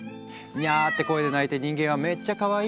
にゃって声で泣いて人間は「めっちゃかわいい。